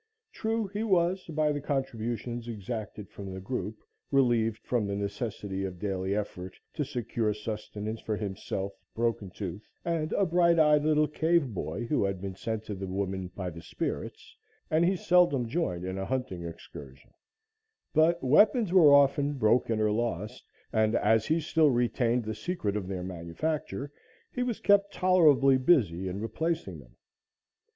True, he was, by the contributions exacted from the group, relieved from the necessity of daily effort to secure sustenance for himself, Broken Tooth and a bright eyed little cave boy who had been sent to the woman by the spirits, and he seldom joined in a hunting excursion; but, weapons were often broken or lost, and, as he still retained the secret of their manufacture, he was kept tolerably busy in replacing them.